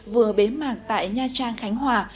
vừa bế mạng tại nha trang khánh hòa